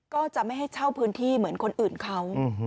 ก็จะไม่ให้เช่าพื้นที่เหมือนคนอื่นเขา